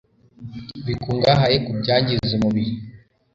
bikungahaye ku byangiza umubiri.